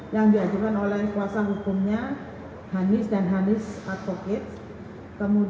yang diajukan oleh kuasa hukumnya hanis dan hanis advokat